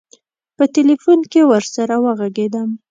په تیلفون کې ورسره وږغېدم.